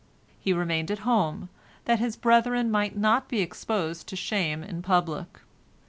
He remained at home, that his brethren might not be exposed to shame in public.